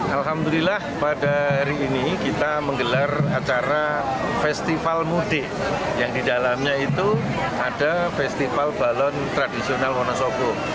alhamdulillah pada hari ini kita menggelar acara festival mudik yang didalamnya itu ada festival balon tradisional wonosobo